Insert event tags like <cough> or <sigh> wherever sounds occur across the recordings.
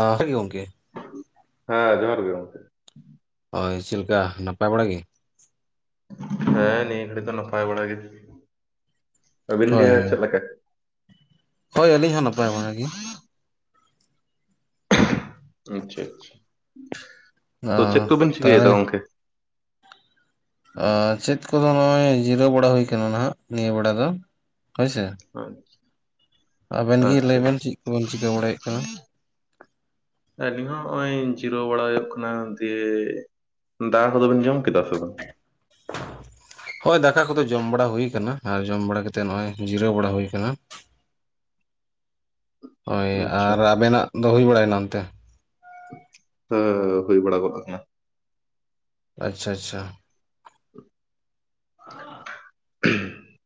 ᱚ <unintelligible> ᱜᱚᱝᱠᱮ᱾ ᱦᱮᱸ ᱡᱚᱦᱟᱨ ᱜᱮ ᱜᱚᱢᱠᱮ᱾ ᱦᱳᱭ ᱪᱮᱫ ᱞᱮᱠᱟ, ᱱᱟᱯᱟᱭ ᱵᱟᱲᱟ ᱜᱮ? ᱦᱮᱸ ᱱᱤᱭᱟᱹ ᱜᱷᱟᱹᱲᱤ ᱫᱚ ᱱᱟᱯᱟᱭ ᱵᱟᱲᱟ ᱜᱮ᱾ ᱟᱹᱵᱤᱱ ᱜᱮ ᱦᱳᱭ ᱦᱳᱭ᱾ ᱪᱮᱫ ᱞᱮᱠᱟ? ᱦᱳᱭ ᱟᱹᱞᱤᱧ ᱦᱚᱸ ᱱᱟᱯᱟᱭ ᱵᱟᱲᱟ ᱜᱮ᱾ ᱟᱪᱪᱷᱟ ᱟᱪᱪᱷᱟ᱾ ᱛᱚ ᱪᱮᱫ ᱟᱸ ᱠᱚᱵᱤᱱ ᱪᱤᱠᱟᱹᱭ ᱛᱟᱦᱚᱞᱮ ᱮᱫᱟ ᱜᱚᱝᱠᱮ? ᱟ ᱪᱮᱫ ᱠᱚᱫᱚ ᱱᱚᱜᱼᱚᱭ ᱡᱤᱨᱟᱹᱣ ᱵᱟᱲᱟ ᱦᱩᱭ ᱟᱠᱟᱱᱟ ᱱᱟᱦᱟᱜ ᱱᱤᱭᱟᱹ ᱵᱮᱲᱟ ᱫᱚ ᱦᱳᱭᱥᱮ᱾ <unintelligible> ᱟᱵᱮᱱ ᱜᱤ ᱟᱪᱪᱷᱟ ᱞᱟᱹᱭ ᱵᱮᱱ ᱪᱤᱜ ᱠᱚᱵᱮᱱ ᱪᱤᱠᱟᱹ ᱵᱟᱲᱟᱭᱮᱜ ᱠᱟᱱᱟ? ᱟᱹᱞᱤᱧ ᱦᱚᱸ ᱦᱚᱜᱼᱚᱭ ᱡᱤᱨᱟᱹᱣ ᱵᱟᱲᱟ ᱦᱩᱭᱩᱜ ᱠᱟᱱᱟ ᱫᱤᱭᱮ ᱫᱟᱠᱟ ᱠᱚᱫᱚ ᱵᱮᱱ ᱡᱚᱢ ᱠᱮᱫᱟ ᱥᱮ ᱵᱟᱝ? ᱦᱳᱭ ᱫᱟᱠᱟ ᱠᱚᱫᱚ ᱡᱚᱢ ᱵᱟᱲᱟ ᱦᱩᱭᱩ ᱠᱟᱱᱟ ᱟᱨ ᱡᱚᱢ ᱵᱟᱲᱟ ᱠᱟᱛᱮᱜ ᱱᱚᱜᱼᱚᱭ ᱡᱤᱨᱟᱹᱣ ᱵᱟᱲᱟ ᱦᱩᱭ ᱠᱟᱱᱟ᱾ ᱦᱳᱭ ᱟᱪᱪᱷᱟ ᱟᱨ ᱟᱵᱮᱱᱟᱜ ᱫᱚ ᱦᱩᱭ ᱵᱟᱲᱟᱭᱮᱱᱟ ᱚᱱᱛᱮ? ᱦᱟᱹ ᱦᱩᱭ ᱵᱟᱲᱟ ᱠᱚᱚᱜ ᱜᱟᱫ ᱟᱠᱟᱱᱟ᱾ ᱟᱪᱪᱷᱟ ᱟᱪᱪᱷᱟ᱾ <unintelligible>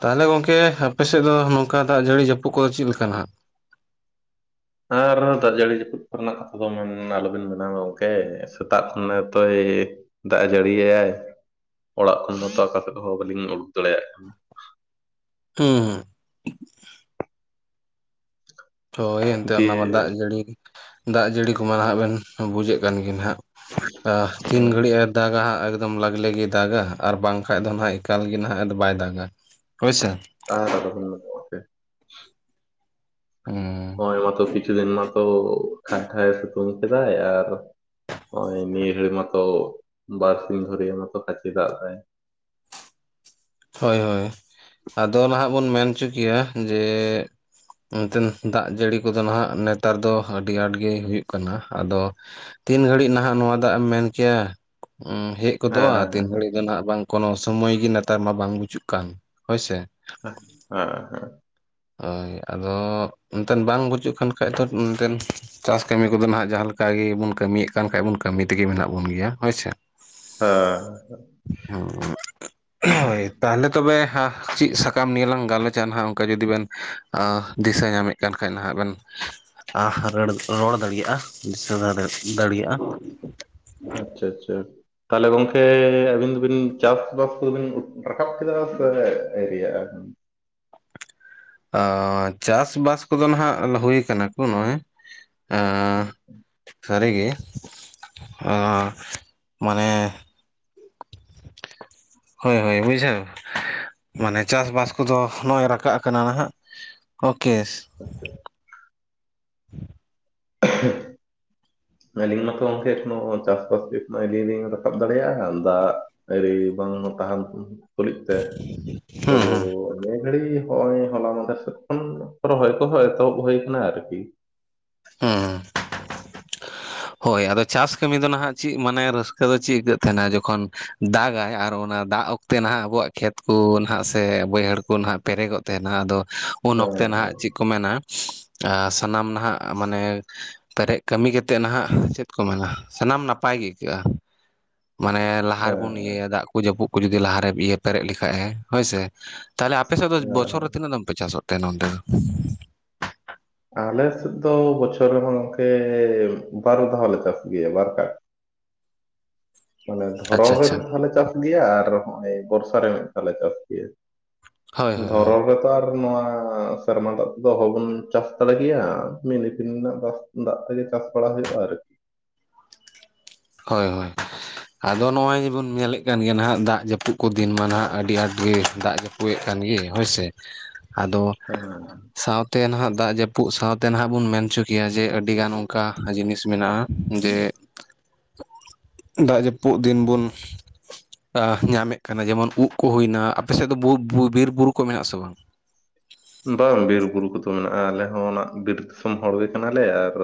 ᱛᱟᱦᱚᱞᱮ ᱜᱚᱝᱠᱮ ᱟᱯᱮ ᱥᱮᱫ ᱫᱚ ᱱᱚᱝᱠᱟ ᱫᱟᱜ ᱡᱟᱹᱲᱤ ᱡᱟᱹᱯᱩᱫ ᱠᱚᱫᱚ ᱪᱮᱫ ᱞᱮᱠᱟ ᱱᱦᱟᱸᱜ? ᱟᱨ ᱫᱟᱜ ᱡᱟᱹᱲᱤ ᱡᱟᱹᱯᱩᱫ ᱠᱚᱨᱮᱱᱟᱜ ᱠᱟᱛᱷᱟ ᱫᱚ ᱢᱮᱱ ᱟᱞᱚᱵᱤᱱ ᱢᱮᱱᱟ ᱜᱚᱝᱠᱮ ᱥᱮᱛᱟᱜ ᱠᱷᱚᱱᱮ ᱮᱛᱚᱭ ᱫᱟᱜᱼᱮ ᱡᱟᱹᱲᱤᱭᱮ-ᱟᱭ ᱚᱲᱟᱜ ᱠᱷᱚᱱ ᱢᱟᱛᱚ ᱚᱠᱟ ᱥᱮᱫ ᱦᱚᱸ ᱵᱟᱟᱹᱞᱤᱧ ᱩᱰᱩᱠ ᱫᱟᱲᱮᱭᱟᱜ ᱠᱟᱱᱟ᱾ ᱦᱮᱸ ᱦᱮᱸ᱾ ᱦᱳᱭ ᱮᱱᱛᱮ ᱚᱱᱟ ᱢᱟ ᱫᱤᱭᱮ ᱫᱟᱜ ᱡᱟᱹᱲᱤ, ᱫᱟᱜ ᱡᱟᱹᱲᱤ ᱠᱚᱢᱟ ᱱᱟᱦᱟᱜ ᱵᱮᱱ ᱵᱩᱡᱮᱫ ᱠᱟᱱ ᱜᱮ ᱱᱦᱟᱜ᱾ ᱟᱦ ᱛᱤᱱ ᱦᱮᱸ ᱜᱷᱟᱹᱲᱤᱡ-ᱮ ᱫᱟᱜᱟ ᱦᱟᱸᱜ ᱮᱜ ᱫᱚᱢ ᱞᱟᱜᱽ ᱞᱟᱷᱤᱭ ᱫᱟᱜᱟ ᱟᱨ ᱵᱟᱝᱠᱷᱟᱡ ᱫᱚ ᱱᱟᱦᱟᱜ ᱮᱠᱟᱞ ᱜᱮ ᱱᱟᱦᱟᱜ ᱟᱫᱚ ᱵᱟᱭ ᱫᱟᱜᱟ ᱦᱳᱭ ᱥᱮ᱾ ᱟᱨ ᱟᱞᱟᱵᱮᱱ ᱢᱮᱱᱟ ᱜᱚᱝᱠᱮ᱾ ᱦᱩᱸ᱾ ᱦᱚᱸᱜ-ᱚᱭ ᱢᱟᱛᱚ ᱠᱤᱪᱩ ᱫᱤᱱ ᱢᱟᱛᱚ ᱠᱷᱟᱭ-ᱠᱷᱟᱭᱮ ᱥᱤᱛᱩᱝ ᱠᱮᱫᱟᱭ ᱟᱨ ᱱᱚᱜᱚᱭ ᱱᱤᱭᱟᱹ ᱜᱷᱟᱲᱤᱡ ᱢᱟᱛᱚ ᱵᱟᱨᱥᱤᱧ ᱫᱷᱚᱨᱤᱭᱟᱹ ᱢᱟᱛᱚ ᱠᱟᱪᱮ ᱫᱟᱜ ᱫᱟᱭ᱾ ᱦᱳᱭ ᱦᱳᱭ᱾ ᱟᱫᱚ ᱱᱟᱦᱟᱜ ᱵᱚᱱ ᱢᱮᱱ ᱦᱚᱪᱚ ᱠᱮᱭᱟ ᱡᱮ ᱮᱱᱛᱮᱫ ᱫᱟᱜ ᱡᱟᱹᱲᱤ ᱠᱚᱫᱚ ᱱᱟᱦᱟᱜ ᱱᱮᱛᱟᱨ ᱫᱚ ᱟᱹᱰᱤ ᱟᱸᱴ ᱜᱮ ᱦᱩᱭᱩᱜ ᱠᱟᱱᱟ ᱟᱫᱚ ᱛᱤᱱ ᱜᱷᱟᱹᱲᱤᱡ ᱱᱟᱦᱟᱜ ᱱᱚᱣᱟ ᱫᱟᱜ-ᱮᱢ ᱢᱮᱱ ᱠᱮᱭᱟ ᱩᱸ ᱦᱮᱡ ᱜᱚᱫᱚᱜᱼᱟ ᱛᱤᱱ ᱜᱷᱟᱲᱤᱡ ᱫᱚ ᱱᱟᱦᱟᱜ ᱵᱟᱝ ᱠᱳᱱᱳ ᱥᱚᱢᱚᱭ ᱜᱮ ᱱᱮᱛᱟᱨ ᱢᱟ ᱵᱟᱝ ᱵᱩᱡᱩᱜ ᱠᱟᱱ ᱦᱳᱭ ᱥᱮ᱾ ᱦᱮᱸ ᱦᱮᱸ ᱦᱮᱸ᱾ ᱦᱳᱭ ᱟᱫᱚ ᱮᱱᱛᱮᱫ ᱵᱟᱝ ᱵᱟᱹᱪᱩᱜ ᱠᱷᱟᱱ ᱠᱷᱟᱡ ᱫᱚ ᱮᱱᱛᱮᱱ ᱪᱟᱥ ᱠᱟᱹᱢᱤ ᱠᱚᱫᱚ ᱱᱟᱦᱟᱸᱜ ᱡᱟᱦᱟᱸ ᱞᱮᱠᱟ ᱜᱮᱵᱚᱱ ᱠᱟᱹᱢᱤᱭᱮᱜ ᱠᱟᱱ ᱠᱷᱟᱭ ᱵᱚᱱ ᱠᱟᱹᱢᱤ ᱛᱮᱜᱮ ᱢᱮᱱᱟᱜ ᱵᱚᱱ ᱜᱮᱭᱟ ᱦᱳᱭᱥᱮ᱾ ᱦᱚᱸ ᱦᱚᱸᱜ ᱦᱳᱭ ᱛᱟᱦᱚᱞᱮ ᱛᱚᱵᱮ ᱦᱟᱸᱜ ᱪᱮᱜ ᱥᱟᱠᱟᱢ ᱱᱤᱭᱟᱹ ᱞᱟᱝ ᱜᱟᱞᱚᱪᱼᱟ ᱱᱟᱦᱟᱸᱜ ᱚᱝᱠᱟ ᱡᱩᱫᱤ ᱵᱮᱱ ᱟᱸ ᱫᱤᱥᱟᱹ ᱧᱟᱢᱮᱜ ᱠᱟᱱ ᱠᱷᱟᱭ ᱱᱟᱦᱟᱸᱜ ᱵᱮᱱ ᱟᱸ ᱨᱟᱹᱲ ᱨᱚᱲ ᱫᱟᱲᱮᱭᱟᱜᱼᱟ ᱫᱤᱥᱟᱹ ᱫᱟᱲᱮ ᱫᱟᱲᱤᱭᱟᱜᱼᱟ? ᱟᱪᱪᱷᱟ ᱟᱪᱪᱷᱟ᱾ ᱛᱟᱦᱚᱞᱮ ᱜᱚᱝᱠᱮ ᱟᱹᱵᱤᱱ ᱫᱚᱵᱤᱱ ᱪᱟᱥᱵᱟᱥ ᱠᱚᱫᱚᱵᱤᱱ ᱨᱟᱠᱟᱵ ᱠᱮᱫᱟ ᱥᱮ ᱟᱭᱨᱤᱭᱟᱜᱼᱟ? ᱟᱸ ᱪᱟᱥᱵᱟᱥ ᱠᱚᱫᱚ ᱱᱟᱦᱟᱸᱜ ᱦᱩᱭ ᱠᱟᱱᱟ ᱠᱚ ᱱᱚᱜᱼᱚᱭ᱾ <unintelligible> ᱥᱟᱹᱨᱤᱜᱮ ᱚᱸᱻ ᱢᱟᱱᱮ ᱦᱳᱭ ᱦᱳᱭ ᱵᱩᱡᱷᱟᱹᱣ ᱢᱟᱱᱮ ᱪᱟᱥᱵᱟᱥ ᱠᱚᱫᱚ ᱱᱚᱜᱼᱚᱭ ᱨᱟᱠᱟᱵ ᱠᱟᱱᱟ ᱱᱟᱦᱟᱸᱜ᱾ ᱚ ᱠᱮᱥ, ᱟᱪᱪᱷᱟ, <inaudible> ᱟᱹᱞᱤᱧ ᱢᱟᱛᱚ ᱜᱚᱝᱠᱮ ᱮᱠᱷᱚᱱᱳ ᱪᱟᱥᱵᱟᱥ <unintelligible> ᱟᱹᱣᱨᱤ ᱞᱤᱧ ᱨᱟᱠᱟᱵ ᱫᱟᱲᱮᱭᱟᱜᱼᱟ ᱫᱟᱜᱽ ᱟᱹᱣᱨᱤ ᱵᱟᱝ ᱛᱟᱦᱮᱸᱱ ᱛᱩ ᱛᱩᱞᱩᱭ ᱛᱮ ᱛᱚ ᱦᱩᱸ ᱦᱩᱸ ᱚᱱᱮ, ᱟᱹᱲᱤ ᱦᱚᱸᱜᱼᱚᱭ ᱦᱚᱞᱟ ᱢᱟᱷᱮᱨᱫ ᱥᱮᱜ ᱠᱷᱚᱱ ᱨᱚᱦᱚᱭ ᱠᱚᱦᱚᱸ ᱮᱛᱦᱚᱵ ᱦᱳᱭ ᱠᱟᱱᱟ ᱟᱨᱠᱤ᱾ ᱦᱩᱸ ᱦᱳᱭ ᱟᱫᱚ ᱪᱟᱥ ᱠᱟᱹᱢᱤ ᱫᱚ ᱱᱟᱦᱟᱹᱜ ᱪᱮᱜ ᱢᱟᱱᱮ ᱨᱟᱹᱥᱠᱟᱹ ᱫᱚ ᱪᱮᱜ ᱟᱹᱭᱠᱟᱹᱜ ᱛᱟᱦᱮᱸᱱᱟ ᱡᱚᱠᱷᱚᱱ ᱫᱟᱜᱟᱭ ᱟᱨ ᱚᱱᱟ ᱫᱟᱜᱽ ᱚᱠ ᱛᱮ ᱱᱟᱦᱟᱸᱜ ᱟᱵᱚᱣᱟᱜ ᱠᱷᱮᱛ ᱠᱚ ᱱᱟᱦᱟᱸᱜ ᱥᱮ ᱵᱟᱹᱭᱦᱟᱹᱲ ᱠᱚ ᱱᱟᱦᱟᱸᱜ ᱯᱮᱨᱮᱜᱚᱜ ᱛᱟᱦᱮᱸᱱᱟ ᱟᱫᱚ ᱩᱱ ᱚᱠᱛᱮ ᱦᱮᱸ ᱱᱟᱦᱟᱸᱜ ᱪᱤᱠ ᱠᱚ ᱢᱮᱱᱟ ᱟᱸ ᱥᱟᱱᱟᱢ ᱱᱟᱦᱟᱸᱜ ᱢᱟᱱᱮ ᱯᱮᱨᱮᱡ ᱠᱟᱹᱢᱤ ᱠᱟᱛᱮᱜ ᱱᱟᱦᱟᱸᱜ ᱪᱮᱫ ᱠᱚ ᱢᱮᱱᱟ ᱥᱟᱱᱟᱢ ᱱᱟᱯᱟᱭ ᱜᱮ ᱟᱹᱭᱠᱟᱹᱜᱼᱟ ᱢᱟᱱᱮ ᱞᱟᱦᱟ ᱦᱮᱸ ᱨᱮᱵᱚᱱ ᱤᱭᱟᱹᱭᱟ ᱫᱟᱜᱽ ᱠᱚ ᱡᱟᱹᱯᱩᱜ ᱠᱚ ᱡᱩᱫᱤ ᱞᱟᱦᱟᱨᱮ ᱤᱭᱟᱹ ᱡᱩᱫᱤ ᱯᱮᱨᱮᱜ ᱞᱮᱠᱷᱟᱭ ᱮ ᱦᱳᱭ ᱥᱮ, ᱛᱟᱦᱚᱞᱮ ᱟᱯᱮ ᱥᱮᱜ ᱫᱚ ᱦᱮᱸ ᱵᱚᱷᱚᱨ ᱨᱮ ᱛᱤᱱᱟᱹᱜ ᱫᱚᱢ ᱯᱮ ᱪᱟᱥᱚᱜ ᱛᱮ ᱱᱚᱰᱮ ᱦᱚᱸ ᱟᱞᱮ ᱥᱮᱜ ᱫᱚ ᱵᱚᱪᱷᱚᱨ ᱨᱮᱢᱟ ᱜᱚᱝᱠᱮ ᱵᱟᱨ ᱫᱷᱟᱣᱞᱮ ᱪᱟᱥ ᱜᱮᱭᱟ ᱵᱟᱨ ᱠᱟᱴ᱾ ᱢᱟᱱᱮ ᱟᱪᱪᱷᱟ ᱫᱷᱚᱨᱚᱢ ᱨᱮ ᱟᱪᱪᱷᱟ ᱢᱤᱜ ᱫᱷᱟᱣᱞᱮ ᱪᱟᱥ ᱜᱮᱭᱟ ᱟᱨ ᱦᱚᱸᱜᱼᱚᱭ ᱵᱚᱨᱥᱟ ᱨᱮ ᱢᱤᱜ ᱫᱷᱟᱣ ᱞᱮ ᱪᱟᱥ ᱜᱮᱭᱟ᱾ ᱦᱳᱭ ᱦᱳᱭ ᱫᱷᱚᱨᱚᱱ ᱨᱮ ᱟᱨ ᱱᱚᱣᱟ ᱥᱮᱨᱢᱟ ᱫᱟᱜᱽ ᱛᱮᱫᱚ ᱚᱦᱚᱵᱚᱱ ᱪᱟᱥ ᱫᱟᱲᱮ ᱠᱮᱭᱟ ᱢᱤᱱᱤᱯᱤᱱ ᱨᱮᱱᱟᱜ ᱵᱟᱥ ᱫᱟᱜᱽ ᱛᱮᱜᱮ ᱪᱟᱥ ᱵᱟᱲᱟ ᱦᱩᱭᱩᱜᱼᱟ ᱟᱨ ᱦᱳᱭ ᱦᱳᱭ᱾ ᱟᱫᱚ ᱱᱚᱜᱼᱚᱭ ᱡᱮ ᱵᱚᱱ ᱧᱮᱞᱮᱜ ᱠᱟᱱ ᱜᱮᱭᱟ ᱱᱟᱦᱟᱸᱜ ᱫᱟᱜᱽ ᱡᱟᱹᱯᱩᱜ ᱠᱚ ᱫᱤᱱ ᱢᱟ ᱱᱟᱦᱟᱸᱜ ᱟᱹᱰᱤ ᱟᱸᱴ ᱜᱮ ᱫᱟᱜᱽ ᱡᱟᱹ ᱯᱩᱜ ᱮᱱ ᱠᱟᱱ ᱜᱮ ᱦᱳᱭ ᱥᱮ, ᱟᱫᱚ <unintelligible> ᱥᱟᱶᱛᱮ ᱱᱟᱦᱟᱸᱜ ᱫᱟᱜᱽ ᱡᱟᱹᱯᱩᱜ ᱥᱟᱶᱛᱮ ᱱᱟᱦᱟᱸᱜ ᱵᱚᱱ ᱢᱮᱱᱪᱚ ᱠᱮᱭᱟ ᱡᱮ ᱟᱹᱰᱤᱜᱟᱱ ᱚᱱᱠᱟ ᱡᱤᱱᱤᱥ ᱢᱮᱱᱟᱜᱼᱟ ᱡᱮ ᱫᱟᱜᱽ ᱡᱟᱹᱯᱩᱫ ᱫᱤᱱ ᱵᱚᱱ ᱟ ᱧᱟᱢᱮᱜ ᱠᱟᱱᱟ ᱡᱮᱢᱚᱱ ᱩᱵ ᱠᱚ ᱦᱩᱭᱱᱟ ᱟᱯᱮ ᱥᱮᱜ ᱫᱚ ᱵᱩ ᱵᱩ ᱵᱤᱨ ᱵᱩᱨᱩ ᱠᱚ ᱢᱮᱱᱟᱜ ᱟᱥᱮ ᱵᱟᱝ? ᱵᱟᱝ ᱵᱤᱨᱵᱩᱨᱩ ᱠᱚᱫᱚ ᱢᱮᱱᱟᱜᱼᱟ ᱟᱞᱮ ᱦᱚᱸ ᱚᱱᱟ ᱵᱤᱨ ᱫᱤᱥᱚᱢ ᱦᱚᱲᱜᱮ ᱠᱟᱱᱟᱞᱮ ᱟᱨ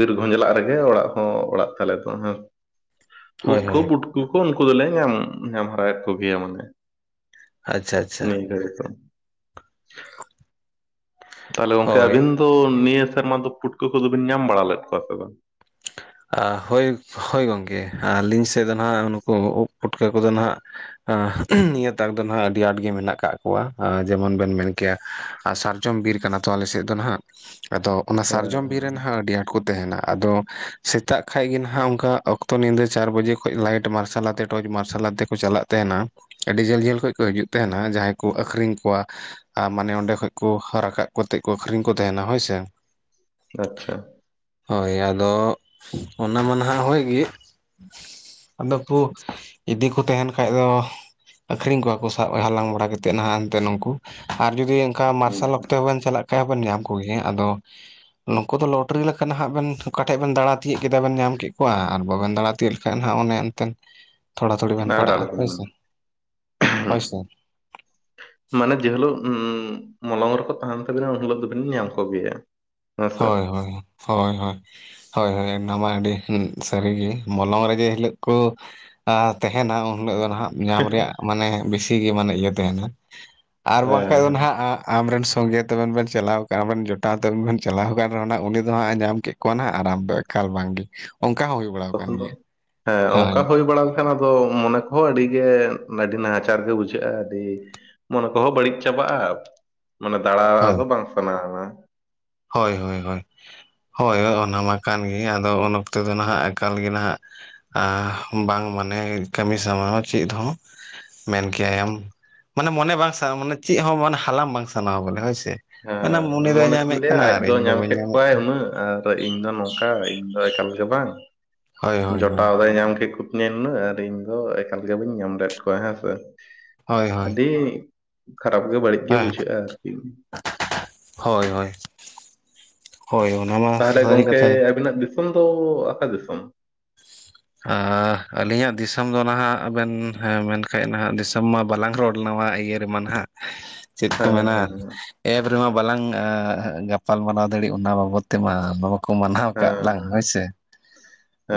ᱵᱤᱨ ᱜᱷᱚᱸᱡᱽᱞᱟᱜ ᱨᱮᱜᱮ ᱚᱲᱟᱜ ᱦᱚᱸ ᱚᱲᱟᱜ ᱛᱟᱞᱮ ᱫᱚ ᱦᱮᱸ᱾ ᱦᱳᱭ ᱩᱫ ᱠᱚ ᱦᱳᱭ ᱯᱩᱴᱠᱩ ᱠᱚ ᱩᱱᱠᱩ ᱫᱚᱞᱮ ᱧᱟᱢ ᱧᱟᱢ ᱦᱚᱨᱟᱭᱮᱜ ᱠᱚᱜᱮᱭᱟ ᱢᱟᱱᱮ᱾ ᱟᱪᱪᱷᱟ ᱟᱪᱪᱷᱟ ᱮᱱᱮ ᱮᱝᱠᱟ ᱜᱮᱛᱚ, ᱛᱟᱦᱚᱞᱮ ᱜᱚᱢᱹᱝᱠᱮ ᱦᱳᱭ ᱟᱹᱵᱤᱱ ᱫᱚ ᱱᱤᱭᱟᱹ ᱥᱮᱨᱢᱟ ᱫᱚ ᱯᱩᱴᱠᱟᱹ ᱠᱚᱫᱚᱵᱤᱱ ᱧᱟᱢ ᱵᱟᱲᱟ ᱞᱮᱫ ᱠᱚᱣᱟ ᱥᱮ ᱵᱟᱝ? <inaudible> ᱟ ᱦᱳᱭ ᱦᱳᱭ ᱜᱚᱝᱠᱮ, ᱟᱞᱤᱧ ᱥᱮᱜ ᱫᱚ ᱱᱟᱦᱟᱸᱜ ᱱᱩᱠᱩ ᱩᱵ ᱯᱩᱴᱠᱟᱹ ᱠᱚᱫᱚ ᱱᱟᱦᱟᱸᱜ, ᱟ ᱱᱤᱭᱟᱹ ᱛᱟᱠ ᱫᱚ ᱱᱟᱦᱟᱸᱜ ᱟᱹᱰᱤ ᱟᱸᱴ ᱜᱮ ᱢᱮᱱᱟᱜ ᱠᱟᱜ ᱠᱚᱣᱟ ᱡᱮᱢᱚᱱ ᱵᱮᱱ ᱢᱮᱱ ᱠᱮᱭᱟ ᱟᱨ ᱥᱟᱨᱡᱚᱢ ᱵᱤᱨ ᱠᱟᱱᱟ ᱛᱚ ᱟᱞᱮᱥᱮᱫ ᱫᱚ ᱱᱟᱦᱟᱜ᱾ ᱟᱫᱚ ᱚᱱᱟ ᱥᱟᱨᱡᱚᱢ ᱵᱤᱨ ᱦᱮᱸ ᱨᱮ ᱱᱟᱦᱟᱜ ᱟᱹᱰᱤ ᱟᱸᱴ ᱠᱚ ᱛᱟᱦᱮᱱᱟ ᱟᱫᱚ ᱥᱮᱛᱟᱜ ᱠᱷᱟᱡ ᱜᱮ ᱱᱟᱦᱱᱟᱜ ᱚᱝᱠᱟ ᱚᱠᱛᱚ ᱧᱤᱫᱟᱹ ᱪᱟᱨ ᱵᱟᱡᱮ ᱠᱷᱚᱡ ᱞᱟᱭᱤᱴ ᱢᱟᱨᱥᱟᱞ ᱟᱛᱮ ᱴᱚᱨᱪ ᱢᱟᱨᱥᱟᱞ ᱟᱛᱮ ᱠᱚ ᱪᱟᱞᱟᱜ ᱛᱟᱦᱮᱱᱟ ᱟᱹᱰᱤ ᱡᱷᱟᱹᱞ ᱡᱷᱟᱹᱞ ᱠᱷᱚᱡ ᱠᱚ ᱦᱟᱹᱡᱩᱜ ᱛᱟᱦᱮᱱᱟ ᱡᱟᱦᱟᱸᱭ ᱠᱚ ᱟᱹᱷᱨᱤᱧ ᱠᱚᱣᱟ ᱟ ᱢᱟᱱᱮ ᱚᱸᱰᱮ ᱠᱷᱚᱡ ᱠᱚ ᱨᱟᱠᱟᱵ ᱠᱟᱛᱮᱜ ᱠᱚ ᱟᱹᱠᱷᱨᱤᱧ ᱠᱚ ᱛᱟᱦᱮᱱᱟ ᱦᱳᱭᱥᱮ᱾ ᱟᱪᱪᱷᱟ᱾ ᱦᱳᱭ ᱟᱫᱚ ᱚᱱᱟ ᱢᱟ ᱱᱟᱦᱟᱜ ᱦᱳᱭ ᱜᱮ᱾ ᱟᱫᱚ ᱠᱚ ᱤᱫᱤ ᱠᱚ ᱛᱟᱦᱮᱱ ᱠᱷᱟᱡ ᱫᱚ ᱟᱹᱠᱷᱨᱤᱧ ᱠᱚᱣᱟ ᱠᱚ ᱥᱟᱵ ᱦᱟᱞᱟᱝ ᱵᱟᱲᱟ ᱠᱟᱛᱮᱫ ᱱᱟᱦᱟᱜ ᱮᱱᱛᱮ ᱱᱩᱠᱩ ᱟᱨ ᱡᱩᱫᱤ ᱚᱝᱠᱟ ᱢᱟᱨᱥᱟᱞ ᱚᱠᱛᱮ ᱦᱚᱸᱵᱮᱱ ᱪᱟᱞᱟᱜ ᱠᱷᱟᱡ ᱦᱚᱸᱵᱮᱱ ᱧᱟᱢ ᱠᱚᱜᱮᱭᱟ ᱟᱫᱚ, ᱱᱩᱠᱩ ᱫᱚ ᱞᱚᱴᱨᱤ ᱞᱮᱠᱟ ᱱᱟᱦᱟᱜ ᱵᱮᱱ ᱚᱠᱟ ᱴᱷᱮᱡ ᱵᱮᱱ ᱫᱟᱬᱟ ᱛᱤᱭᱟᱹᱜ ᱠᱮᱫᱟ ᱵᱮᱱ ᱧᱟᱢ ᱠᱮᱫ ᱠᱚᱣᱟ ᱟᱨ ᱵᱟᱵᱮᱱ ᱫᱟᱬᱟ ᱛᱤᱭᱟᱹᱜ ᱞᱮᱠᱷᱟᱡ ᱱᱟᱦᱟᱜ ᱚᱱᱮ ᱮᱱᱛᱮᱱ ᱛᱷᱚᱲᱟ ᱛᱷᱩᱲᱤ ᱵᱮᱱ ᱟᱨ ᱯᱟᱲᱟᱜᱼᱟ ᱟᱬᱜᱚᱢ ᱦᱳᱭ ᱵᱮᱱ ᱥᱮ, ᱦᱳᱭ ᱥᱮ᱾ ᱢᱟᱱᱮ ᱡᱮᱦᱤᱞᱳᱜ ᱩᱸ ᱢᱚᱞᱚᱝ ᱨᱮᱠᱚ ᱛᱟᱦᱮᱱ ᱛᱟᱵᱤᱱᱟ ᱩᱱᱦᱤᱞᱟᱹᱜ ᱫᱚᱵᱮᱱ ᱧᱟᱢᱠᱚ ᱜᱮᱭᱟ᱾ ᱦᱳᱭ ᱦᱳᱭ, ᱦᱳᱭ ᱦᱳᱭ᱾ ᱦᱳᱭ ᱦᱳᱭ, ᱚᱱᱟ ᱢᱟ ᱟᱹᱰᱤ ᱥᱟᱹᱨᱤᱜᱮ ᱢᱚᱞᱚᱝ ᱨᱮ ᱡᱮ ᱦᱤᱞᱳᱜ ᱠᱚ ᱟ ᱛᱟᱦᱮᱱᱟ ᱩᱱ ᱦᱤᱞᱳᱜ ᱫᱚ ᱱᱟᱦᱟᱜ ᱧᱟᱢ ᱨᱮᱭᱟᱜ ᱢᱟᱱᱮ ᱵᱮᱥᱤ ᱜᱮ ᱢᱟᱱᱮ ᱤᱭᱟᱹ ᱛᱟᱦᱮᱱᱟ ᱟᱨ ᱵᱟᱝᱠᱷᱟᱡ ᱦᱮᱸ ᱫᱚ ᱦᱮᱸ ᱱᱟᱦᱟᱜ ᱟᱢᱨᱮᱱ ᱥᱚᱸᱜᱮ ᱛᱟᱵᱮᱱ ᱵᱮᱱ ᱪᱟᱞᱟᱣ ᱠᱚᱜ-ᱟ ᱟᱵᱮᱱ ᱡᱚᱴᱟᱣ ᱛᱟᱵᱮᱱ ᱵᱮᱱ ᱪᱟᱞᱟᱣ ᱟᱠᱟᱱ ᱨᱮᱦᱚᱸ ᱩᱱᱤ ᱫᱚ ᱦᱟᱸᱜ ᱮ ᱧᱟᱢ ᱠᱮᱫ ᱠᱚᱣᱟ ᱱᱟᱦᱟᱜ ᱟᱨ ᱟᱢ ᱫᱚ ᱮᱠᱟᱞ ᱵᱟᱝᱜᱮ ᱚᱝᱠᱟ ᱦᱚᱸ ᱦᱩᱭ ᱵᱟᱲᱟᱣ ᱟᱠᱟᱱ ᱛᱚᱠᱷᱚᱱ ᱫᱚ ᱜᱮᱭᱟ᱾ ᱦᱮᱸ ᱦᱳᱭ ᱚᱝᱠᱟ ᱦᱩᱭ ᱵᱟᱲᱟ ᱠᱷᱟᱱ ᱟᱫᱚ ᱢᱚᱱᱮ ᱠᱚᱦᱚᱸ ᱟᱹᱰᱤᱜᱮ ᱟᱹᱰᱤ ᱱᱟᱦᱟᱪᱟᱨ ᱜᱮ ᱵᱩᱡᱷᱟᱹᱜᱼᱟ ᱟᱹᱰᱤ ᱢᱚᱱᱮ ᱠᱚᱦᱚᱸ ᱵᱟᱹᱲᱤᱡ ᱪᱟᱵᱟᱜᱼᱟ᱾ ᱢᱟᱱᱮ ᱫᱟᱬᱟ ᱦᱳᱭ ᱫᱚ ᱵᱟᱝ ᱥᱟᱱᱟᱣᱟ᱾ ᱦᱳᱭ ᱦᱳᱭ ᱦᱳᱭ, ᱦᱳᱭ ᱚᱱᱟ ᱢᱟ ᱠᱟᱱ ᱜᱮ ᱟᱫᱚ ᱚᱱᱟ ᱛᱮᱫᱚ ᱱᱟᱦᱟᱜ ᱮᱠᱟᱞ ᱜᱮ ᱱᱟᱦᱟᱜ ᱵᱟᱝ ᱢᱟᱱᱮ ᱠᱟᱹᱢᱤ ᱥᱟᱱᱟᱣᱟ ᱪᱮᱫ ᱦᱚᱸ᱾ ᱢᱮᱱᱠᱮᱭᱟᱭᱮᱢ ᱢᱟᱱᱮ ᱢᱚᱱᱮ ᱵᱟᱝ ᱥᱟᱱᱟ ᱢᱟᱱᱮ ᱪᱮᱫ ᱦᱚᱸ ᱢᱟᱱᱮ ᱦᱟᱞᱟᱝ ᱵᱟᱝ ᱥᱟᱱᱟᱣᱟ ᱵᱚᱞᱮ ᱦᱳᱭ ᱥᱮ᱾ ᱦᱟᱱᱟ ᱢᱚᱱᱮᱨᱮ ᱧᱟᱢᱮᱫ ᱫᱮᱭᱟ ᱠᱟᱱᱟ ᱟᱡ ᱟᱨ ᱫᱚ ᱤᱧ ᱧᱟᱢ ᱵᱟᱹᱧ ᱠᱮᱫ ᱧᱟᱢᱮᱫ ᱠᱚᱣᱟᱭ ᱩᱱᱟᱹᱜ ᱟᱨ ᱤᱧ ᱫᱚ ᱱᱚᱝᱠᱟ ᱤᱧ ᱫᱚ ᱮᱠᱟᱞ ᱜᱮ ᱵᱟᱝ᱾ ᱦᱳᱭ ᱦᱳᱭ ᱦᱳᱭ ᱡᱚᱴᱟᱣ ᱫᱚᱭ ᱧᱟᱢ ᱠᱮᱫ ᱠᱩᱛᱤᱧᱟ ᱱᱩᱱᱟᱹᱜ ᱟᱨ ᱤᱧᱫᱚ ᱮᱠᱟᱞᱜᱮ ᱵᱟᱹᱧ ᱧᱟᱢ ᱞᱮᱫ ᱠᱚᱣᱟ ᱦᱮᱸ ᱥᱮ᱾ ᱦᱳᱭ ᱦᱳᱭ ᱟᱹᱰᱤ ᱠᱷᱟᱨᱟᱯ ᱜᱮ ᱵᱟᱹᱲᱤᱡ ᱜᱮ ᱵᱩᱡᱷᱟᱹᱜᱼᱟ ᱟᱨᱠᱤ᱾ ᱦᱳᱭ ᱦᱳᱭ᱾ ᱦᱳᱭ ᱚᱱᱟᱢᱟ ᱛᱟᱦᱞᱮ ᱜᱚᱝᱠᱮ, ᱟᱹᱵᱤᱱᱟᱜ ᱫᱤᱥᱚᱢ ᱫᱚ ᱚᱠᱟ ᱫᱤᱥᱚᱢ? ᱟᱹᱞᱤᱧᱟᱜ ᱫᱤᱥᱚᱢ ᱫᱚ ᱱᱟᱦᱟᱜ ᱵᱮᱱ ᱢᱮᱱᱠᱷᱟᱱ ᱱᱟᱦᱟᱜ ᱫᱤᱥᱚᱢ ᱢᱟ ᱵᱟᱞᱟᱝ ᱨᱚᱲ ᱱᱟ ᱤᱭᱟᱹ ᱮᱢᱟ ᱱᱟᱦᱟᱜ ᱪᱮᱫ ᱠᱚ ᱦᱮᱸ ᱢᱮᱱᱟ ᱦᱮᱸ ᱮᱯ ᱨᱮᱢᱟ ᱵᱟᱞᱟᱝ ᱜᱟᱯᱟᱞ ᱢᱟᱨᱟᱨᱟᱣ ᱫᱟᱲᱮᱜ ᱚᱱᱟ ᱵᱟᱵᱚᱛ ᱛᱮᱢᱟ ᱠᱚ ᱢᱟᱱᱟᱣ ᱠᱟᱜ ᱦᱮᱸ ᱞᱟᱝ ᱦᱳᱭᱥᱮ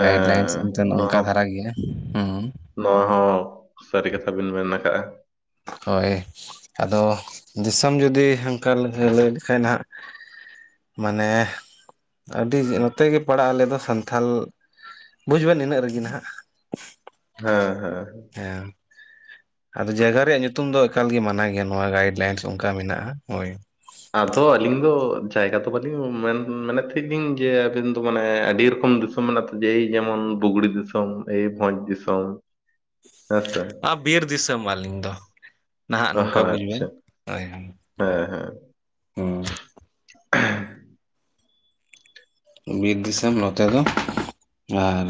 ᱜᱟᱭᱤᱰ ᱞᱟᱭᱤᱱ ᱱᱚᱣᱟ ᱱᱚᱝᱠᱟ ᱦᱚᱸ ᱫᱷᱟᱨᱟ ᱜᱮ ᱦᱮᱸ ᱱᱚᱣᱟ ᱦᱚᱸ ᱥᱟᱹᱨᱤ ᱠᱟᱛᱷᱟ ᱵᱤᱱ ᱢᱮᱱ ᱟᱠᱟᱜᱼᱟ ᱦᱳᱭ ᱟᱫᱚ ᱫᱤᱥᱚᱢ ᱡᱩᱫᱤ ᱚᱱᱠᱟ ᱞᱟᱹᱭ ᱞᱮᱠᱷᱟᱡ ᱦᱟᱸᱜ ᱢᱟᱱᱮ ᱟᱹᱰᱤ ᱱᱚᱛᱮ ᱜᱮ ᱯᱟᱲᱟᱜᱼᱟ ᱟᱞᱮ ᱫᱚ ᱥᱟᱱᱛᱷᱟᱞ ᱵᱩᱡᱽ ᱵᱮᱱ ᱤᱱᱟᱹᱜ ᱨᱮᱜᱮ ᱱᱟᱸᱜ ᱦᱮ ᱦᱮ ᱦᱮᱸ ᱟᱫᱚ ᱡᱟᱭᱜᱟ ᱨᱮᱭᱟᱜ ᱧᱩᱛᱩᱢ ᱫᱚ ᱮᱠᱟᱞ ᱜᱮ ᱢᱟᱱᱟ ᱜᱮᱭᱟ ᱱᱚᱣᱟ ᱜᱟᱭᱤᱰ ᱞᱟᱭᱤᱱᱥ ᱚᱱᱠᱟ ᱢᱮᱱᱟᱜᱼᱟ ᱦᱳᱭ ᱟᱫᱚ ᱟᱹᱞᱤᱧ ᱫᱚ ᱡᱟᱭᱜᱟ ᱫᱚ ᱵᱟᱹᱞᱤᱧ ᱢᱮᱱᱮ ᱢᱮᱱᱮᱫ ᱛᱟᱦᱮᱸᱫ ᱞᱤᱧ ᱡᱮ ᱟᱵᱤᱱ ᱫᱚ ᱢᱟᱱᱮ ᱟᱹᱰᱤ ᱨᱚᱠᱚᱢ <unintelligible> ᱡᱮᱭ ᱡᱮᱢᱚᱱ ᱵᱩᱜᱲᱤ ᱫᱤᱥ ᱫᱤᱥᱚᱢ ᱮ ᱵᱷᱚᱡᱽ ᱫᱤᱥ ᱫᱤᱥᱚᱢ ᱫᱤᱥᱚᱢ ᱦᱮᱸᱥᱮ ᱟᱨ ᱵᱤᱨ ᱫᱤᱥᱚᱢ ᱟᱹᱞᱤᱧ ᱫᱚ ᱱᱟᱦᱟᱸᱜ ᱱᱚᱝᱠᱟ ᱦᱳᱭ ᱵᱩᱡ ᱵᱮᱱ ᱟᱪᱪᱷᱟ ᱦᱳᱭ ᱦᱳᱭ ᱦᱮᱸ ᱦᱮᱸ ᱦᱩᱸ ᱵᱤᱨ ᱫᱤᱥᱚᱢ ᱱᱚᱛᱮ ᱫᱚ ᱟᱨ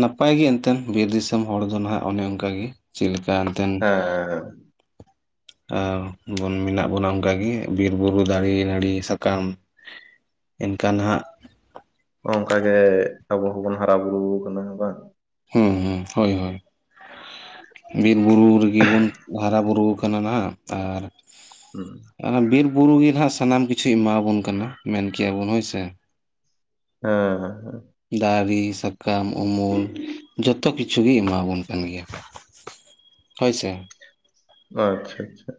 ᱱᱟᱯᱟᱭ ᱜᱮ ᱮᱱᱛᱮᱱ ᱵᱤᱨ ᱫᱤᱥᱚᱢ ᱦᱚᱲ ᱫᱚ ᱱᱟᱦᱟᱸᱜ ᱚᱱᱮ ᱚᱱᱠᱟᱜᱮ ᱪᱮᱫ ᱞᱮᱠᱟ ᱮᱱᱛᱮᱱ ᱦᱮᱸ ᱟ <unintelligible> ᱢᱮᱱᱟᱜ ᱵᱚᱱᱟ ᱚᱱᱠᱟᱜᱮ ᱵᱤᱨᱼᱵᱩᱨᱩ ᱫᱟᱨᱮ ᱱᱟᱹᱲᱤ ᱥᱟᱠᱟᱢ ᱮᱱᱠᱷᱟᱱ ᱦᱟᱸᱜ ᱚᱱᱠᱟᱜᱮ ᱟᱵᱚ ᱦᱚᱸᱵᱚᱱ ᱦᱟᱨᱟ ᱵᱩᱨᱩ ᱠᱟᱱᱟ ᱵᱟᱝ ᱦᱮᱸ ᱦᱮᱸ ᱦᱳᱭ ᱦᱳᱭ ᱵᱤᱨ ᱵᱩᱨᱩ ᱨᱮᱜᱮ ᱵᱚᱱ ᱦᱟᱨᱟ ᱵᱩᱨᱩ ᱟᱠᱟᱱᱟ ᱱᱟᱜ ᱟᱨ <unintelligible> ᱚᱱᱟ ᱵᱤᱨ ᱵᱩᱨᱩ ᱜᱮ ᱱᱟᱜ ᱥᱟᱱᱟᱢ ᱠᱤᱪᱷᱩᱭ ᱮᱢᱟᱵᱚᱱ ᱠᱟᱱᱟ ᱢᱮᱱ ᱠᱮᱭᱟᱵᱚᱱ ᱦᱳᱭᱥᱮ ᱦᱮᱸ <unintelligible> ᱫᱟᱨᱮ ᱥᱟᱠᱟᱢ ᱩᱢᱩᱞ ᱡᱚᱛᱚ ᱠᱤᱪᱷᱩ ᱜᱮᱭ ᱮᱢᱟᱵᱚᱱ ᱠᱟᱱ ᱜᱮᱭᱟ ᱦᱚᱭ ᱥᱮ ᱟᱪᱪᱷᱟ ᱟᱪᱪᱷᱟ,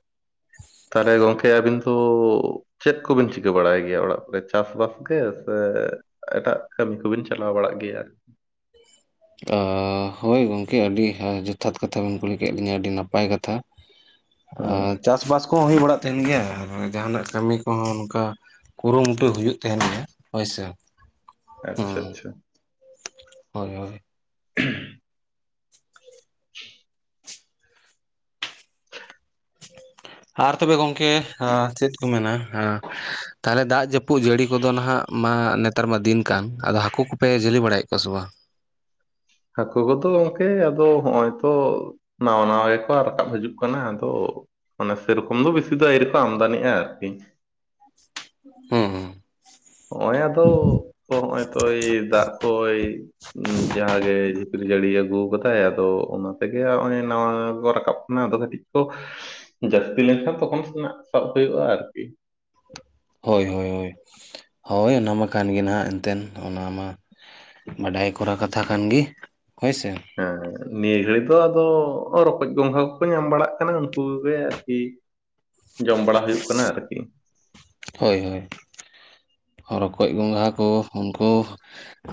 ᱛᱟᱦᱚᱞᱮ ᱜᱚᱝᱠᱮ ᱟᱹᱵᱤᱱ ᱫᱚ ᱪᱮᱫ ᱠᱚᱵᱤᱱ ᱪᱤᱠᱟᱹ ᱵᱟᱲᱟᱭ ᱜᱮᱭᱟ ᱚᱲᱟᱜ ᱠᱚᱨᱮ ᱪᱟᱥᱵᱟᱥ ᱜᱮ ᱥᱮ? ᱮᱴᱟᱜ ᱠᱟᱹᱢᱤ ᱠᱚᱵᱤᱱ ᱪᱟᱞᱟᱣ ᱵᱟᱲᱟᱜ ᱜᱮᱭᱟ ᱟᱨᱠᱤ ᱛᱚ ᱦᱳᱭ ᱜᱚᱢᱠᱮ ᱟᱹᱰᱤ ᱡᱚᱛᱷᱟᱛ ᱠᱟᱛᱷᱟ ᱵᱮᱤᱱ ᱠᱩᱞᱤ ᱠᱮᱫ ᱞᱤᱧᱟᱹ ᱟᱹᱰᱤ ᱱᱟᱯᱟᱭ ᱠᱟᱛᱷᱟ ᱦᱮᱸ ᱟᱨ ᱪᱟᱥ ᱵᱟᱟᱥ ᱠᱚᱦᱚᱸ ᱦᱩᱭ ᱵᱟᱲᱟᱜ ᱛᱟᱦᱮᱱ ᱜᱮᱭᱟ ᱟᱨ ᱡᱟᱦᱟᱸᱱᱟᱜ ᱠᱟᱹᱢᱤ ᱠᱚᱦᱚᱸ ᱚᱱᱠᱟ ᱠᱩᱨᱩᱢᱩᱴᱩ ᱦᱩᱭᱩᱜ ᱛᱮᱦᱮᱱ ᱜᱮᱭᱟ ᱦᱳᱭ ᱥᱮ ᱟᱪᱪᱷᱟ ᱦᱩᱸ ᱟᱪᱪᱷᱟ ᱦᱳᱭ ᱦᱳᱭ <unintelligible> ᱟᱨ ᱛᱚᱵᱮ ᱜᱚᱝᱠᱮ ᱟ ᱪᱮᱫ ᱠᱚ ᱢᱮᱱᱟ ᱛᱟᱦᱚᱞᱮ ᱫᱟᱜ ᱡᱟᱹᱯᱩᱫ ᱯᱩᱜ ᱡᱟᱹᱲᱤ ᱠᱚᱫᱚ ᱱᱟᱦᱟᱸᱜ ᱢᱟ ᱱᱮᱛᱟᱨ ᱢᱟ ᱫᱤᱱ ᱠᱟᱱ ᱟᱫᱚ ᱦᱟᱹᱠᱩ ᱠᱚᱯᱮ ᱡᱷᱟᱹᱞᱤ ᱵᱟᱲᱟᱭᱮᱫ ᱠᱚᱣᱟ ᱥᱮ ᱵᱟᱝ? ᱦᱟᱹᱠᱩ ᱠᱚᱫᱚ ᱜᱚᱝᱠᱮ ᱟᱫᱚ ᱦᱚᱜᱼᱚᱭ ᱛᱚ ᱱᱟᱣᱟ ᱱᱟᱣᱟ ᱜᱮᱠᱚ ᱨᱟᱠᱟᱵ ᱦᱤᱡᱩᱜ ᱠᱟᱱᱟ ᱟᱫᱚ ᱚᱱᱮ ᱥᱮᱨᱚᱠᱚᱢ ᱫᱚ ᱵᱮᱥᱤ ᱫᱚ ᱟᱣᱨᱤᱠᱚ ᱟᱢᱫᱟᱱᱤᱼᱟ ᱟᱨᱠᱤ ᱦᱮᱸ ᱦᱮᱸ ᱦᱚᱜ-ᱚᱭ ᱟᱫᱚ ᱠᱚ ᱦᱚᱜᱼᱚᱭ ᱛᱚᱭ ᱫᱟᱜ ᱠᱚᱭ ᱡᱟᱦᱟᱸᱜᱮ ᱡᱷᱤᱯᱲ ᱡᱟᱹᱲᱤ ᱟᱹᱜᱩ ᱠᱟᱫᱟᱭ ᱟᱫᱚ ᱚᱱᱟ ᱛᱮᱜᱮ ᱱᱚᱜ-ᱚᱭ ᱱᱟᱣᱭᱟ ᱠᱚ ᱨᱟᱠᱟᱵ ᱠᱟᱱᱟ ᱟᱫᱚ ᱠᱟᱹᱴᱤᱡ ᱡᱟᱹᱥᱛᱤ ᱞᱮᱱᱠᱷᱟᱱ ᱛᱚᱠᱷᱚᱱ ᱱᱟᱜ ᱥᱟᱵ ᱦᱩᱭᱩᱜᱼᱟ ᱟᱨᱠᱤ ᱦᱳᱭ ᱦᱳᱭ ᱦᱳᱭ, ᱦᱳᱭ ᱚᱱᱟ ᱢᱟ ᱠᱟᱱ ᱜᱮ ᱱᱟᱦᱟᱜ ᱮᱱᱛᱮᱱ ᱚᱱᱟ ᱢᱟ ᱵᱟᱰᱟᱭ ᱠᱚᱨᱟ ᱠᱟᱛᱷᱟ ᱠᱟᱱᱜᱤ ᱦᱳᱭᱥᱮ ᱦᱮᱸ ᱱᱤᱭᱟᱹ ᱜᱷᱟᱹᱲᱤᱡ ᱫᱚ ᱟᱫᱚ ᱨᱚᱠᱚᱡ ᱜᱚᱸᱜᱷᱟ ᱠᱚᱠᱚ ᱧᱟᱢ ᱵᱟᱲᱟᱜ ᱠᱟᱱᱟ ᱩᱱᱠᱩ ᱠᱚᱜᱮ ᱟᱨᱠᱤ ᱡᱚᱢ ᱵᱟᱲᱟ ᱦᱩᱭᱩᱜ ᱠᱟᱱᱟ ᱟᱨᱠᱤ ᱦᱳᱭ ᱦᱳᱭ, ᱨᱚᱠᱚᱡ ᱜᱚᱸᱜᱷᱟ ᱠᱚ ᱩᱱᱠᱩ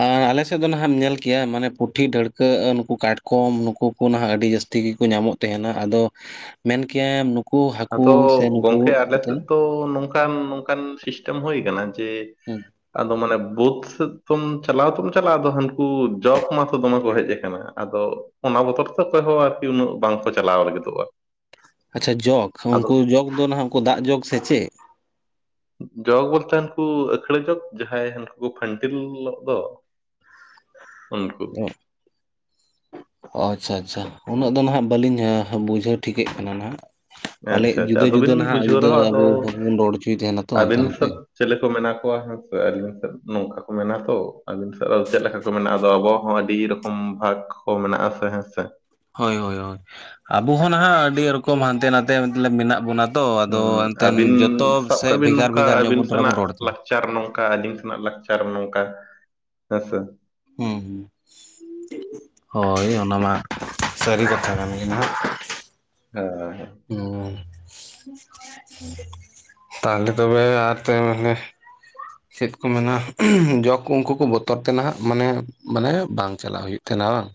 ᱟᱨ ᱟᱞᱮᱥᱮᱫ ᱫᱚ ᱱᱟᱦᱟᱜ ᱮᱢ ᱧᱮᱞ ᱠᱮᱭᱟ ᱢᱟᱱᱮ ᱯᱩᱴᱷᱤ ᱰᱟᱹᱲᱠᱟᱹᱜ ᱠᱟᱴᱠᱚᱢ ᱱᱩᱠᱩ ᱱᱩᱠᱩ ᱱᱟᱦᱟᱜ ᱟᱹᱰᱤ ᱡᱟᱹᱥᱛᱤ ᱜᱮᱠᱚ ᱧᱟᱢᱚᱜ ᱛᱟᱦᱮᱱᱟ ᱟᱫᱚ ᱢᱮᱱ ᱠᱮᱭᱟᱢ ᱱᱩᱠᱩ ᱟᱫᱚ ᱦᱟᱹᱠᱩ ᱥᱮ ᱜᱚᱝᱠᱮ ᱱᱩᱠᱩ ᱟᱞᱮ ᱮᱱᱛᱮ ᱥᱮᱫ ᱫᱚ ᱱᱚᱝᱠᱟ ᱱᱚᱝᱠᱟᱱ ᱱᱚᱝᱠᱟᱱ ᱥᱤᱥᱴᱮᱢ ᱦᱳᱭ ᱟᱠᱟᱱᱟ ᱡᱮ ᱦᱮᱸ ᱟᱫᱚ ᱢᱟᱱᱮ ᱵᱩᱫ ᱥᱩᱫ ᱛᱚᱢ ᱪᱟᱞᱟᱣ ᱛᱚᱢ ᱪᱟᱞᱟᱜᱼᱟ, ᱟᱫᱚ ᱦᱟᱹᱱᱠᱩ ᱡᱚᱠ ᱢᱟᱛᱚ ᱫᱚᱢᱮ ᱠᱚ ᱦᱮᱡᱽ ᱟᱠᱟᱱᱟ ᱟᱫᱚ ᱚᱱᱟ ᱵᱚᱛᱚᱨᱛᱮ ᱚᱠᱚᱭᱦᱚᱸ ᱟᱨᱠᱤ ᱩᱱᱟᱹᱜ ᱵᱟᱝᱠᱚ ᱪᱟᱞᱟᱣ ᱞᱟᱹᱜᱤᱛᱚᱜ-ᱟ, ᱟᱪᱪᱷᱟ ᱡᱚᱜᱽ ᱩᱱᱠᱩ ᱡᱚᱜᱽ ᱫᱚ ᱱᱟᱜ ᱩᱱᱠᱩ ᱫᱟᱜ ᱡᱚᱜᱽ ᱥᱮ ᱪᱮᱫᱽ ᱡᱚᱜᱽ ᱵᱚᱞᱛᱮ ᱩᱱᱠᱩ ᱟᱹᱠᱷᱲᱟᱹ ᱡᱚᱜᱽ ᱡᱟᱦᱟᱸᱭ ᱦᱟᱱᱠᱩ ᱠᱚ ᱯᱷᱟᱱᱴᱤᱞᱚᱜ ᱫᱚ᱾ ᱩᱱᱠᱩ <unintelligible> ᱚ, ᱟᱪᱪᱷᱟ ᱟᱪᱪᱷᱟ ᱩᱱᱟᱹᱜ ᱫᱚ ᱦᱟᱱᱟᱜ ᱵᱟᱹᱞᱤᱧ ᱵᱩᱡᱷᱟᱹᱣ ᱴᱷᱤᱠᱮᱫ ᱠᱟᱱᱟ ᱱᱟᱜ ᱯᱟᱞᱮᱫ ᱟᱪᱪᱷᱟ ᱟᱪᱪᱷᱟ ᱡᱩᱫᱟᱹ ᱟᱫᱚ ᱡᱩᱫᱟᱹ ᱵᱤᱱ ᱱᱟᱦᱟᱜ ᱵᱩᱡᱷᱟᱹᱣ ᱡᱩᱫᱟᱹ ᱨᱮᱦᱚᱸ ᱟᱫᱚ ᱟᱵᱚ ᱦᱚᱲᱵᱚᱱ ᱨᱚᱲ ᱦᱚᱪᱚᱭ ᱛᱟᱦᱮᱱᱟ ᱛᱚ ᱦᱟᱱᱛᱮ ᱱᱟᱛᱮ᱾ ᱪᱮᱫ ᱞᱮᱠᱟ ᱠᱚ ᱢᱮᱱᱟᱜ ᱠᱚᱣᱟ ᱦᱟᱸᱜ ᱟᱹᱞᱤᱱ ᱥᱮᱫ ᱱᱚᱝᱠᱟ ᱠᱚ ᱢᱮᱱᱟ ᱛᱚ, ᱟᱵᱤᱱ ᱥᱮᱫ ᱪᱮᱫ ᱞᱮᱠᱟ ᱢᱮᱱᱟᱜᱼᱟ ᱟᱫᱚ ᱟᱵᱚᱣᱟᱜ ᱦᱚᱸ ᱟᱹᱰᱤ ᱨᱚᱠᱚᱢ ᱵᱷᱟᱜᱽ ᱠᱚ ᱢᱮᱱᱟᱜ-ᱟ ᱥᱮ ᱦᱮᱸ ᱥᱮ᱾ ᱦᱳᱭ ᱦᱳᱭ ᱦᱳᱭ ᱟᱵᱚ ᱦᱚᱸ ᱱᱟᱦᱟᱜ ᱟᱹᱰᱤ ᱨᱚᱠᱚᱢ ᱦᱟᱱᱛᱮ ᱱᱟᱛᱮ ᱢᱚᱛᱞᱚᱵᱽ ᱢᱮᱱᱟᱜ ᱵᱚᱱᱟ ᱛᱚ ᱟᱫᱚ ᱦᱩᱸ ᱮᱱᱛᱮᱱ ᱟᱹᱵᱤᱱ ᱡᱚᱛᱚ ᱥᱟᱵ ᱥᱮᱫ ᱠᱟᱜ ᱵᱤᱱ ᱵᱷᱮᱜᱟᱨ ᱵᱷᱮᱜᱟᱨ ᱱᱚᱝᱠᱟ ᱧᱚᱜ ᱟᱹᱵᱤᱱ ᱵᱚᱱ ᱛᱷᱚᱲᱟ ᱵᱚᱱ ᱨᱚᱲ᱾ ᱥᱮᱱᱟᱜ ᱞᱟᱠᱪᱟᱨ ᱱᱚᱝᱠᱟ ᱟᱹᱞᱤᱧ ᱥᱮᱱᱟᱜ ᱞᱟᱠᱪᱟᱨ ᱱᱚᱝᱠᱟ ᱦᱮᱸ ᱥᱮ᱾ ᱦᱩᱸ ᱦᱳᱭ ᱚᱱᱟ ᱢᱟ ᱥᱟᱹᱨᱤ ᱠᱟᱛᱷᱟ ᱠᱟᱱ ᱜᱮ ᱱᱟᱜ᱾ <unintelligible> ᱦᱩᱸᱻ ᱛᱟᱦᱞᱮ ᱛᱚᱵᱮ ᱟᱨ ᱛᱮ ᱢᱟᱱᱮ᱾ ᱪᱮᱫ ᱠᱚ ᱢᱮᱱᱟ, ᱡᱚᱠ ᱠᱚ ᱩᱱᱠᱩ ᱠᱚ ᱵᱚᱛᱚᱨ ᱛᱮ ᱱᱟᱦᱟᱜ ᱢᱟᱱᱮ ᱢᱟᱱᱮ ᱵᱟᱝ ᱪᱟᱞᱟᱜ ᱦᱩᱭᱩᱜ ᱛᱟᱦᱮᱱᱟ ᱵᱟᱝ᱾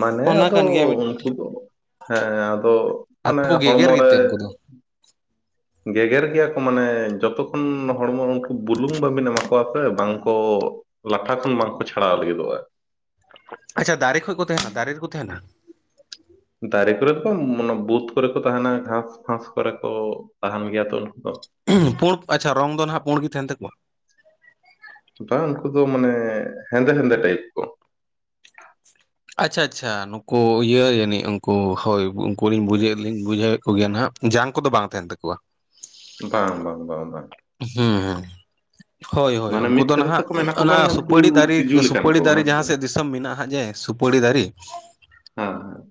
ᱢᱟᱱᱮ ᱚᱱᱟ ᱟᱫᱚ ᱠᱟᱱ ᱜᱮᱭᱟ ᱢᱤᱫ ᱩᱱᱠᱩ ᱫᱚ ᱦᱮᱸ ᱟᱫᱚ ᱟᱫᱚ ᱢᱟᱱᱮ ᱠᱚ ᱦᱚᱲᱢᱚ ᱜᱮᱜᱮᱨ ᱨᱮ ᱜᱮᱛᱮ ᱩᱱᱠᱩ ᱫᱚ ᱜᱮᱜᱮᱨ ᱜᱮᱭᱟ ᱠᱚ ᱢᱟᱱᱮ ᱡᱚᱛᱚ ᱠᱷᱚᱱ ᱦᱚᱲᱢᱚ ᱩᱱᱠᱩ ᱵᱩᱞᱩᱝ ᱵᱟᱹᱵᱤᱱ ᱮᱢᱟ ᱠᱚᱣᱟ ᱥᱮ ᱵᱟᱝᱠᱚ ᱞᱟᱴᱷᱟ ᱠᱷᱚᱱ ᱵᱟᱝᱠᱚ ᱪᱷᱟᱲᱟᱣ ᱞᱟᱹᱜᱤᱫᱚᱜᱼᱟ, ᱟᱪᱪᱷᱟ ᱫᱟᱨᱮ ᱠᱷᱚᱡ ᱠᱚ ᱛᱟᱦᱮᱱᱟ ᱫᱟᱨᱮ ᱨᱮᱠᱚ ᱛᱟᱦᱮᱱᱟ? ᱫᱟᱨᱮ ᱠᱚᱨᱮ ᱫᱚ ᱢᱟᱱᱮ ᱵᱩᱫᱽ ᱠᱚᱨᱮ ᱠᱚ ᱛᱟᱦᱮᱸᱱᱟ ᱜᱷᱟᱥ ᱯᱷᱟᱥ ᱠᱚᱨᱮ ᱠᱚ ᱛᱟᱦᱮᱸᱱ ᱜᱮᱭᱟ ᱛᱚ ᱩᱱᱠᱩ ᱫᱚ᱾ ᱯᱩᱸᱲ ᱟᱪᱪᱷᱟ ᱨᱚᱝ ᱫᱚ ᱱᱟᱦᱟᱜ ᱯᱩᱲ ᱜᱮ ᱛᱟᱦᱮᱸᱱ ᱛᱟᱠᱚᱣᱟ? ᱵᱟᱝ ᱩᱱᱠᱩ ᱫᱚ ᱢᱟᱱᱮ ᱦᱮᱸᱫᱮ ᱦᱮᱸᱫᱮ ᱴᱟᱭᱤᱯ ᱠᱚ᱾ ᱟᱪᱪᱷᱟ ᱟᱪᱪᱷᱟ ᱱᱩᱠᱩ ᱤᱭᱟᱹ ᱡᱟᱹᱱᱤᱡ ᱩᱱᱠᱩ ᱦᱳᱭ ᱩᱱᱠᱩᱜᱤᱧ ᱵᱩᱡᱮᱭᱮᱫ ᱵᱩᱡᱷᱟᱹᱣᱮᱫ ᱠᱚᱜᱮᱭᱟ ᱱᱟᱸᱜ᱾ ᱡᱟᱝ ᱠᱚᱫᱚ ᱵᱟᱝ ᱛᱟᱦᱮᱸᱱ ᱛᱟᱠᱚᱣᱟ? ᱵᱟᱝ ᱵᱟᱝ ᱵᱟᱝ ᱵᱟᱝ᱾ <unintelligible> ᱦᱳᱭ ᱦᱳᱭ ᱢᱟᱱᱮ ᱩᱱᱠᱩ ᱢᱤᱫ ᱫᱚ ᱠᱟᱛᱷᱟ ᱱᱟᱦᱟᱜ ᱛᱮᱠᱚ ᱢᱮᱱᱟ ᱠᱚ ᱚᱱᱟ ᱠᱟᱱ ᱩᱱᱠᱩ ᱥᱩᱯᱟᱹᱨᱤ ᱫᱟᱨᱮ ᱛᱤᱡᱩ ᱞᱮᱠᱟᱱ ᱥᱩᱯᱟᱹᱨᱤ ᱠᱚ ᱫᱟᱨᱮ ᱦᱮᱸ ᱡᱟᱦᱟᱸ ᱥᱮ? ᱥᱮᱫ ᱫᱤ ᱢᱮᱱᱟᱜᱼᱟ ᱡᱮ ᱥᱩᱯᱟᱹᱲᱤ ᱫᱟᱨᱮ᱾ ᱦᱮᱸ ᱦᱮᱸ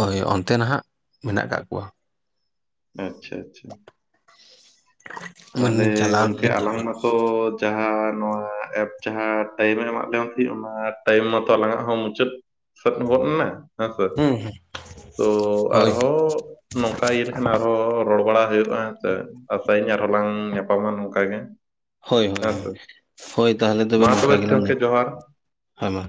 ᱦᱳᱭ ᱚᱱᱛᱮ ᱱᱟᱦᱟᱸᱜ ᱢᱮᱱᱟᱜ ᱠᱟᱜ ᱠᱚᱣᱟ᱾ ᱟᱪᱪᱷᱟ ᱟᱪᱪᱷᱟ᱾ ᱢᱟᱱᱮ ᱛᱟᱦᱚᱞᱮ ᱜᱚᱝᱠᱮ ᱪᱞᱟᱣᱱᱟᱞᱤᱧ ᱡᱤᱞ ᱟᱞᱟᱝ ᱟᱹᱜᱩ᱾ ᱢᱟᱛᱚ ᱡᱟᱦᱟᱸ ᱱᱚᱣᱟ ᱮᱯ ᱡᱟᱦᱟᱸ ᱴᱟᱭᱤᱢᱮ ᱮᱢᱟᱫᱞᱮ ᱛᱟᱦᱮᱸᱫ ᱚᱱᱟ ᱴᱟᱭᱤᱢ ᱢᱟᱛᱚ ᱟᱞᱟᱝᱟᱜ ᱦᱚᱸ ᱢᱩᱪᱟᱹᱫ᱾ ᱥᱮᱫ ᱜᱚᱫ ᱮᱱᱟ ᱦᱮᱸᱥᱮ ᱦᱩᱸ ᱦᱩᱸ ᱛᱚ ᱦᱳᱭ ᱟᱨᱦᱚᱸ ᱱᱚᱝᱠᱟ ᱤᱭᱟᱹ ᱞᱮᱠᱷᱟᱱ ᱟᱨᱦᱚᱸ ᱨᱚᱲ ᱵᱟᱲᱟ ᱦᱩᱭᱩᱜᱼᱟ ᱦᱮᱸᱥᱮ ᱟᱥᱟᱭᱟᱹᱧ ᱟᱨᱦᱚᱸ ᱞᱟᱝ ᱧᱟᱯᱟᱢᱟ ᱱᱚᱝᱠᱟ ᱜᱮ᱾ ᱦᱳᱭ ᱦᱳᱭ ᱦᱳᱭ ᱦᱳᱭ ᱛᱟᱦᱚᱞᱮ ᱛᱚᱵᱮ ᱱᱚᱝᱠᱟ ᱜᱮᱞᱟᱝ ᱵᱟᱲᱟ <inaudible> ᱯᱟ ᱢᱟ᱾